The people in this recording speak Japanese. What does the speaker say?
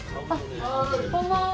こんばんは！